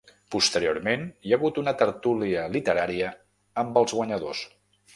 Posteriorment hi ha hagut una tertúlia literària amb els guanyadors.